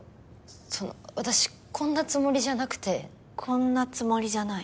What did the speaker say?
その私こんなつもりじゃなくて「こんなつもりじゃない」